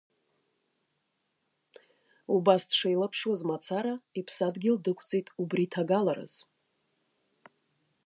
Убас дшеилаԥшуаз мацара иԥсадгьыл дықәҵит убри ҭагалараз.